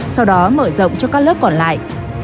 sau đó mở rộng cho các lớp còn lại